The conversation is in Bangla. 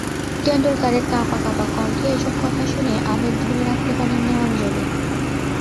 টেন্ডুলকারের কাঁপা কাঁপা কণ্ঠে এসব কথা শুনে আবেগ ধরে রাখতে পারেননি অঞ্জলি।